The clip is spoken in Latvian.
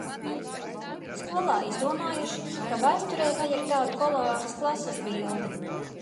Skolā izdomājuši, ka vēsturei vajag tādu kolāžas klases bildi.